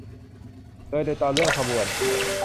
โดยในตอนเริ่มขบวน